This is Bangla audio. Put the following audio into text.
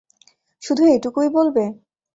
শুধু এটুকুই বলবে?